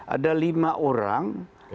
ada lima orang